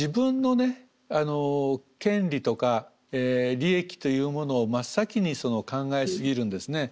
権利とか利益というものを真っ先に考えすぎるんですね。